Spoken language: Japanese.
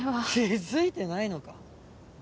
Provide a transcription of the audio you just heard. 気づいてないのか？